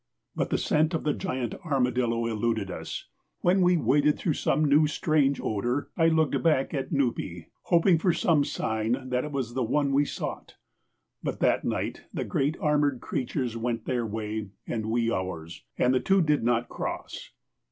But the scent of the giant armadillo eluded us. When we waded through some new, strange odor I looked back at Nupee, hoping for some sign that it was the one we sought. But that night the great armored creatures went their way and we ours, and the two did not cross.